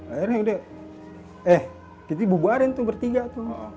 akhirnya udah eh kita bubarin tuh bertiga tuh